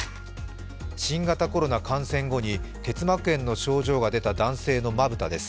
新型コロナ感染後に結膜炎の症状が出た男性のまぶたです。